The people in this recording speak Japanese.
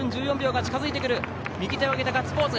右手を上げた、ガッツポーズ。